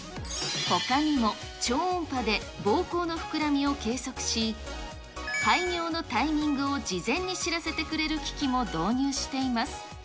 ほかにも、超音波でぼうこうの膨らみを計測し、排尿のタイミングを事前に知らせてくれる機器も導入しています。